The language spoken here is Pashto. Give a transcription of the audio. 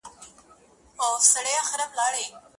o په پردي پرتاگه کونه نه پټېږي!